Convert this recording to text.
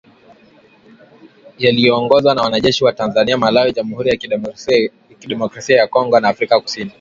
yaliyoongozwa na wanajeshi wa Tanzania Malawi Jamuhuri ya Demokrasia ya Kongo na Afrika kusini